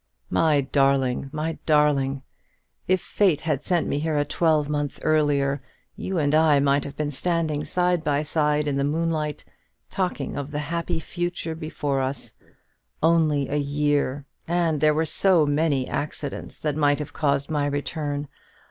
My darling, my darling! if fate had sent me here a twelvemonth earlier, you and I might have been standing side by side in the moonlight, talking of the happy future before us. Only a year! and there were so many accidents that might have caused my return.